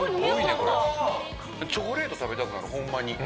これチョコレート食べたくなるホンマに！